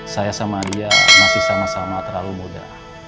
saya sama dia masih sama sama terlalu muda